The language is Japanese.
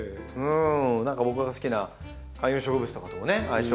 何か僕が好きな観葉植物とかともね相性